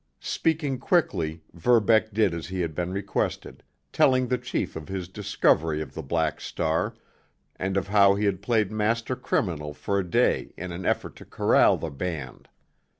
Speaking quickly, Verbeck did as he had been requested, telling the chief of his discovery of the Black Star, and of how he had played master criminal for a day in an effort to corral the band.